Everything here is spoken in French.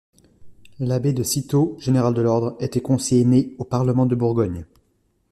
L'abbé de Cîteaux, général de l'ordre, était conseiller-né au parlement de Bourgogne.